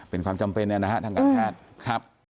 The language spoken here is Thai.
เป็นความจำเป็นเนี่ยนะคะทางการคาด